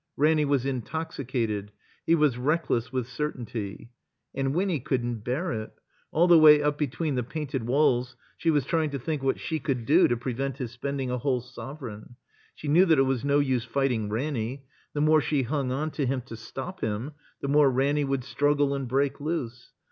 Ranny was intoxicated, he was reckless with cer tainty. And Winny couldn't bear it. All the way up between the painted walls she was trying to think what she could do to prevent his spending a whole sovereign. She knew that it was no use fighting Ranny. The more she hung on to him to stop him, the more Ranny would struggle and break loose.